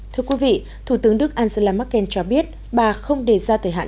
thưa quý vị thủ tướng đức angela merkel cho biết bà không đề ra thời hạn